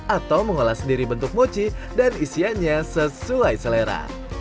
atau mengolah sendiri bentuk mochi dan isiannya sesuai selera